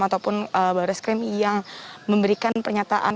ataupun barreskrim yang memberikan pernyataan